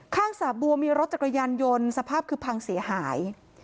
ข้างสะบัวมีรถจักรยันยนต์ยนต์สภาพคือพังเสียหาย